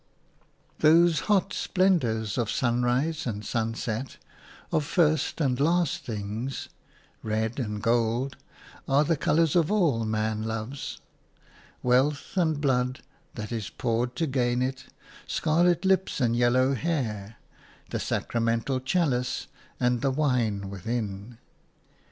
Those hot splendours of sunrise and sunset, of first and last things – red and gold – are the colours of all man loves – wealth and the blood that is poured to gain it, scarlet lips and yellow hair, the sacramental chalice and the wine within.